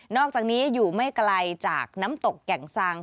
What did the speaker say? อกจากนี้อยู่ไม่ไกลจากน้ำตกแก่งซาง